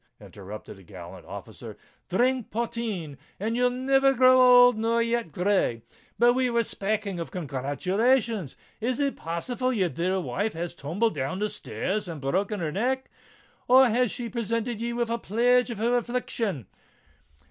interrupted the gallant officer. "Dhrink potheen—and you'll niver grow old nor yet gray. But we were spaking of congratulations. Is it possible that your dear wife has tumbled down stairs and broken her neck? or has she presented ye with a pledge of her affiction?"